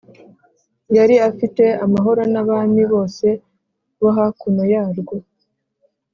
Yari afite amahoro n’abami bose bo hakuno yarwo